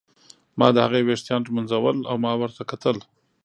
ما د هغې ویښتان ږمونځول او ما ورته کتل.